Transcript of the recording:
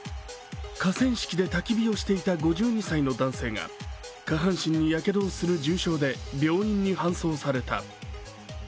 河川敷でたき火をしていた５２歳の男性が、下半身にやけどをする重傷で病院に搬送された。